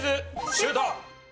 シュート！